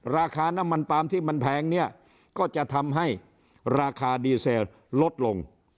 ราคาน้ำมันปาล์มที่มันแพงเนี่ยก็จะทำให้ราคาดีเซลลดลง